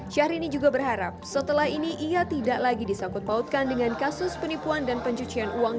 syahrini juga berharap setelah ini ia tidak lagi disangkut pautkan dengan kasus penipuan dan pencucian uang